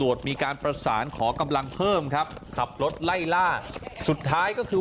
มีการประสานขอกำลังเพิ่มครับขับรถไล่ล่าสุดท้ายก็คือ